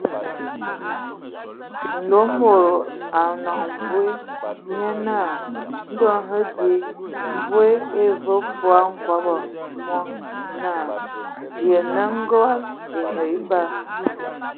Nlomodo a nəa mvoe, nye naa : ndɔ hm di. Mvoe e vəə fɔɔ hkobo mɔ naa : Yənə, ngog. E bəgə zəl !